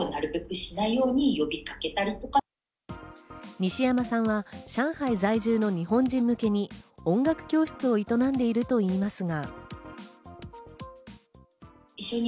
西山さんは上海在住の日本人向けに音楽教室を営んでいるといいますが。